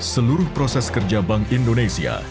seluruh proses kerja bank indonesia